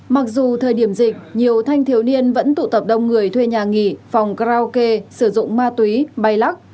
mặc dù thời điểm dịch nhiều thanh thiếu niên vẫn tụ tập đông người thuê nhà nghỉ phòng karaoke sử dụng ma túy bay lắc